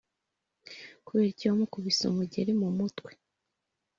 kuberiki wamukubise umugeri mu mutwe